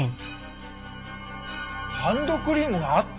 ハンドクリームがあった？